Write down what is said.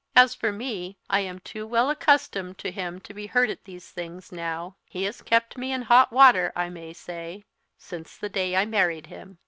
As for me, I am too well accustomed to him to be hurt at these things now. He has kept me in hot water, I may say, since the day I married him."